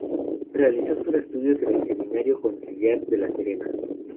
Realizó sus estudios en el Seminario Conciliar de La Serena.